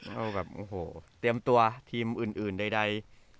เราแบบโอ้โหเตรียมตัวทีมอื่นใด